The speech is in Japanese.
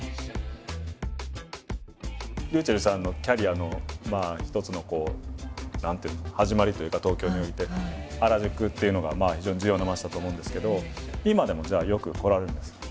ｒｙｕｃｈｅｌｌさんのキャリアの一つのこう何ていうの始まりというか東京において原宿っていうのが非常に重要な街だと思うんですけど今でもじゃあよく来られるんですか？